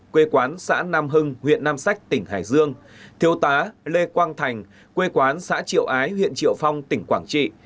quê quán xã nam hưng huyện nam sách tỉnh hải dương thiêu tá lê quang thành quê quán xã triệu ái huyện triệu phong tỉnh quảng trị